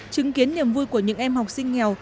chứng kiến niềm vui của những em học sinh nghèo